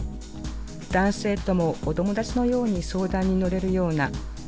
男性ともお友達のように相談に乗れるような。